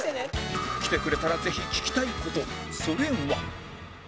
来てくれたらぜひ聞きたい事それは